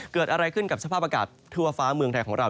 เกิดอะไรขึ้นกับสภาพอากาศทั่วฟ้าเมืองไทยของเรา